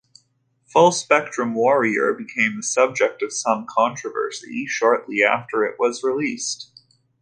"Full Spectrum Warrior" became the subject of some controversy shortly after it was released.